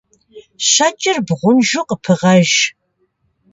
Щэкӏыр бгъунжу къыпыгъэж.